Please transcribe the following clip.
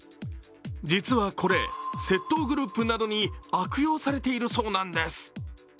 実はこれ、窃盗グループなどに悪用されているそうなんです。